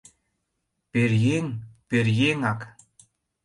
Пӧръеҥ — пӧръеҥак!